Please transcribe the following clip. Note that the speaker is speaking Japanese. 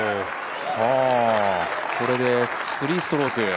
これで３ストローク。